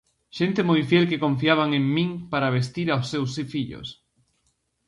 Xente moi fiel que confiaban en min para vestir aos seus fillos.